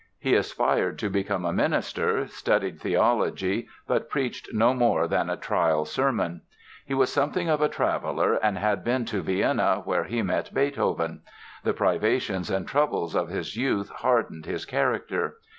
He aspired to become a minister, studied theology but preached no more than a trial sermon. He was something of a traveler and had been to Vienna, where he met Beethoven. The privations and troubles of his youth hardened his character.